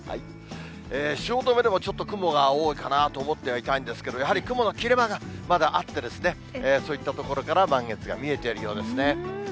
汐留でもちょっと雲が多いかなと思ってはいたんですが、やはり雲の切れ間がまだあってですね、そういった所から満月が見えているようですね。